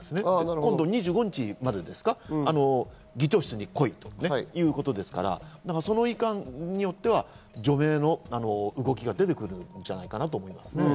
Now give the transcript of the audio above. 今度２５日までですか、議長室に来いということですから、それいかんによっては、除名の動きが出てくるんじゃないかなということですね。